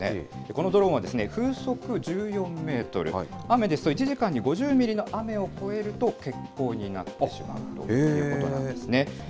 このドローンは風速１４メートル、雨ですと１時間に５０ミリの雨を超えると、欠航になってしまうということなんですね。